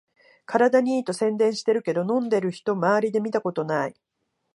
体にいいと宣伝してるけど、飲んでる人まわりで見たことない